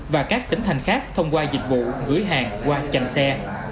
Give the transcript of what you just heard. và các tỉnh thành khác thông qua dịch vụ gửi hàng qua chành xe